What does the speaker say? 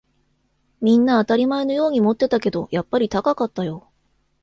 みんな当たり前のように持ってたけど、やっぱり高かったよ